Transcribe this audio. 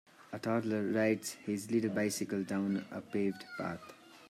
A toddler rides his little bicycle down a paved path.